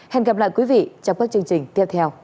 hẹn gặp lại quý vị trong các chương trình tiếp theo